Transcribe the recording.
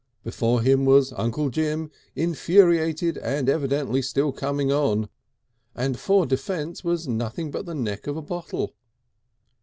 Before him was Uncle Jim, infuriated and evidently still coming on, and for defence was nothing but the neck of a bottle.